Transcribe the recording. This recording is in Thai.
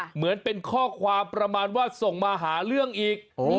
เหมือนเป็นข้อความประมาณว่าส่งมาหาเรื่องอีก